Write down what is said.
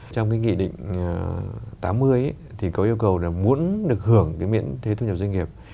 trong cái nghị định tám mươi thì có yêu cầu là muốn được hưởng cái miễn thuế thu nhập doanh nghiệp